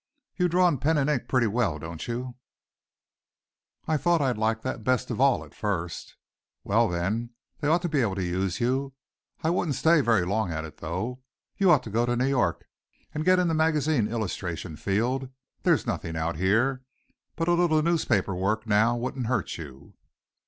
"You draw in pen and ink pretty well, don't you?" "I thought I liked that best of all at first." "Well, then, they ought to be able to use you. I wouldn't stay very long at it though. You ought to go to New York to get in the magazine illustration field there's nothing out here. But a little newspaper work now wouldn't hurt you."